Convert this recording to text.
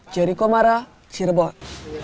jeri komara cirebon